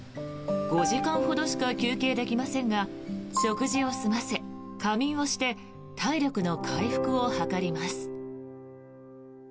５時間ほどしか休憩できませんが食事を済ませ仮眠をして体力の回復を図ります。